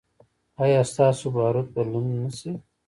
ایا ستاسو باروت به لوند نه شي؟